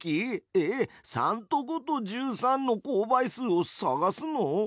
えっ３と５と１３の公倍数を探すの？